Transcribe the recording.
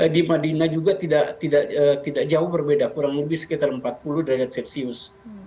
di madinah juga tidak jauh berbeda kurang lebih sekitar empat puluh derajat celcius